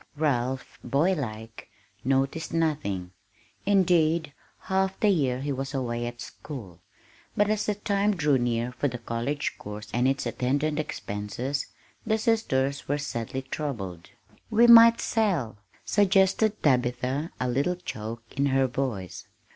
Ralph, boylike, noticed nothing indeed, half the year he was away at school; but as the time drew near for the college course and its attendant expenses, the sisters were sadly troubled. "We might sell," suggested Tabitha, a little choke in her voice.